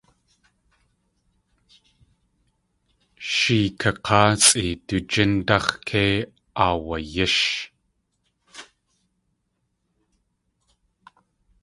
Sheey kak̲áasʼi du jíndáx̲ kei aawayísh.